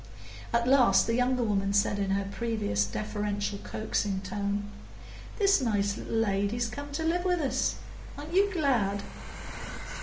At last the younger woman said in her previous deferential, coaxing tone,— "This nice little lady's come to live with us; aren't you glad?"